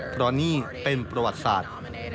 ตอนนี้เป็นประวัติศาสตร์